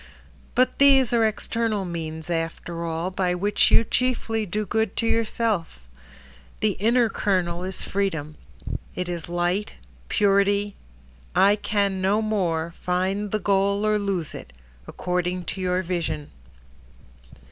But these are external means after all By which you chiefly do good to yourself. The inner kernel is freedom, It is light, purity— I can no more, Find the goal or lose it, according to your vision.